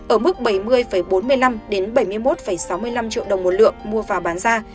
ở mức bảy mươi bốn mươi năm bảy mươi một sáu mươi năm triệu đồng một lượng mua vào bán ra